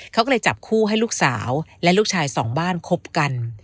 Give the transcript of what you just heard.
เขาก็เลยจับคู่ให้ลูกสาวและลูกชายสองบ้านคบกัน